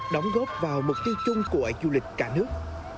đóng góp vào mục tiêu chung của du lịch cả nước